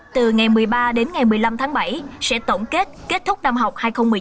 từ ngày một mươi ba đến ngày một mươi năm tháng bảy sẽ tổng kết kết thúc năm học hai nghìn hai mươi hai nghìn hai mươi